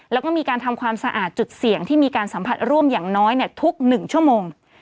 แล้วก็มีการทำความสะอาดจุดเสี่ยงที่มีการสัมผัสร่วมอย่างน้อยทุก๑ชั่วโมง